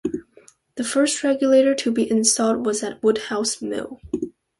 The first regulator to be installed was at Woodhouse Mill.